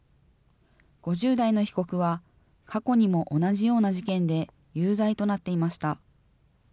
５０代の被告は、過去にも同じような事件で有罪となっていました。